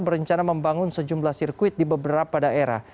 berencana membangun sejumlah sirkuit di beberapa daerah